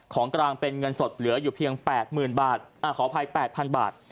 ของกรางเป็นเงินสดเหลืออยู่เพียงแปดหมื่นบาทอ่าขออภัยแปดพันบาท